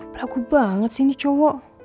pelaku banget sih ini cowok